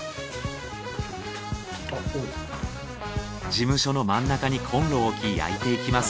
事務所の真ん中にコンロを置き焼いていきます。